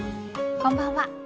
こんばんは。